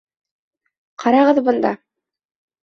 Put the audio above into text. Ҡарағыҙ бында!